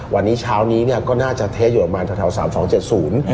วันนี้เช้านี้ก็น่าจะเทสต์อยู่ประมาณ๓๒๗๐